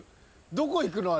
どこ行くの？